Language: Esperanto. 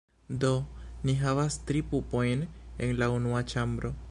Do ni havas tri pupojn en la unua ĉambro.